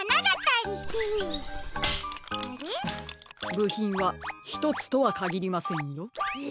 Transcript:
ぶひんはひとつとはかぎりませんよ。え！？